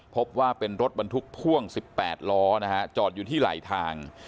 พบว่าเป็นรถบรรทุกพ่วง๑๘ล้อนะฮะจอดอยู่ที่ไหลทาง